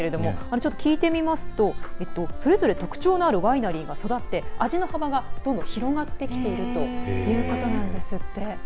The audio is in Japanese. ちょっと聞いてみますとそれぞれ特徴のあるワイナリーが育って、味の幅がどんどん広がってきているということなんですって。